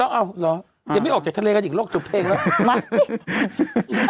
อ้าวยังไม่ออกจากทะเลกันอีกรกจบเพลงแล้ว